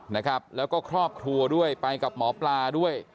นะครับแล้วก็ครอบครัวด้วยไปกับหมอปลาด้วย